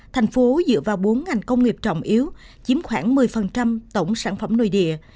tp hcm dựa vào bốn ngành công nghiệp trọng yếu chiếm khoảng một mươi tổng sản phẩm nội địa